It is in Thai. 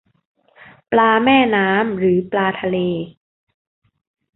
ปลาแม่น้ำหรือปลาทะเล